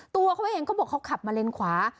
ตัวเขาเองเขาบอกเขาขับมาเลนขวา